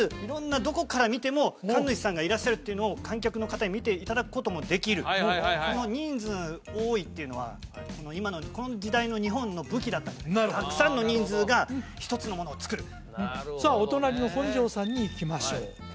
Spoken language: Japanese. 色んなどこから見ても神主さんがいらっしゃるっていうのを観客の方に見ていただくこともできるこの人数多いっていうのはこの時代の日本の武器だったたくさんの人数が一つのものを作るさあお隣の本上さんにいきましょう